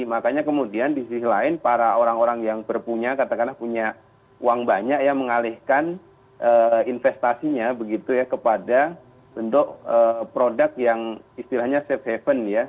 makanya kemudian di sisi lain para orang orang yang berpunya katakanlah punya uang banyak ya mengalihkan investasinya begitu ya kepada bentuk produk yang istilahnya safe haven ya